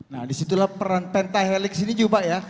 nah disitulah peran pentahelix ini juga ya